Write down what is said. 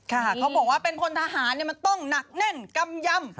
เขาบอกว่าเป็นพลทหารมันต้องหนักแน่นกำยำ